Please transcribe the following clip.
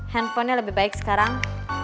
handphonenya lebih baik sekarang